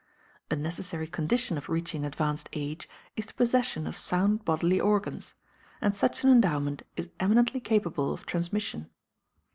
A necessary condition of reaching advanced age is the possession of sound bodily organs, and such an endowment is eminently capable of transmission.